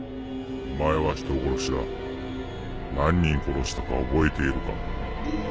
「お前は人殺しだ」「何人殺したか覚えているか」